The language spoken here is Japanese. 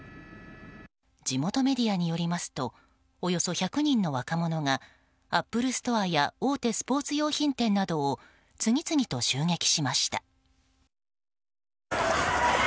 地元メディアによりますとおよそ１００人の若者がアップルストアや大手スポーツ用品店などを次々と襲撃しました。